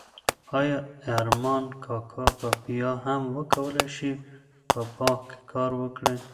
ایا ارمان کاکا به بیا هم وکولای شي په باغ کې کار وکړي؟